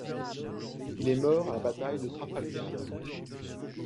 Il est mort à la bataille de Trafalgar.